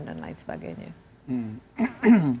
dan lain sebagainya